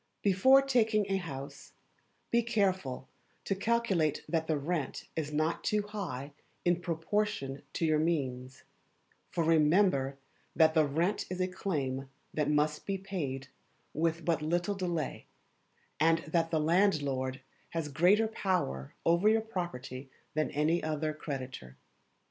Before taking a house, be careful to calculate that the rent is not too high in proportion to your means; for remember that the rent is a claim that must be paid with but little delay, and that the landlord has greater power over your property than any other creditor.